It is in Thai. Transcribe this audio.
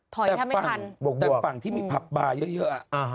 แต่ฝั่งที่มีพับบาร์เยอะ